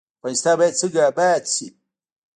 افغانستان باید څنګه اباد شي؟